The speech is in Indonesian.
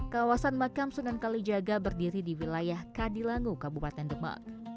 kawasan makam sunan kalijaga berdiri di wilayah kadilangu kabupaten demak